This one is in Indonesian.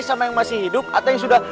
sama yang masih hidup atau yang sudah